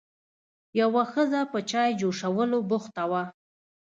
یوه ښځه په چای جوشولو بوخته وه.